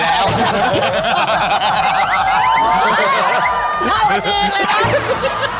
เท่าจริงแล้วนะ